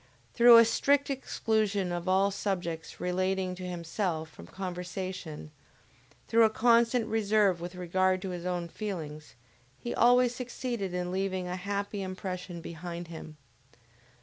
Through a strict exclusion of all subjects relating to himself from conversation, through a constant reserve with regard to his own feelings, he always succeeded in leaving a happy impression behind him.